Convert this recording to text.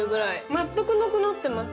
全くなくなってます。